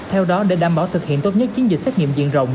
theo đó để đảm bảo thực hiện tốt nhất chiến dịch xét nghiệm diện rộng